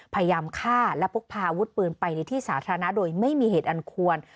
พยายามฆ่าและพกพาอาวุธปืนไปในที่สาธารณะโดยไม่มีเหตุอันควร